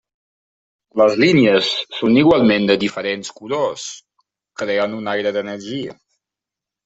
Les línies són igualment de diferents colors, creant un aire d'energia.